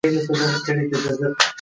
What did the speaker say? هغه وایي چې په سهار کې هوا ډېره پاکه وي.